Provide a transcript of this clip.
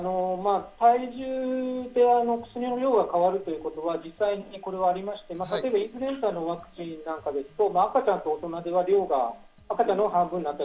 体重で薬の量が変わるということは、実際にこれはあって、インフルエンザのワクチンなんかですと赤ちゃんと大人では赤ちゃんのほうが量が半分。